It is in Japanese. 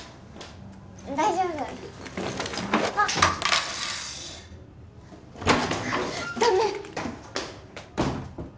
大丈夫あっダメ！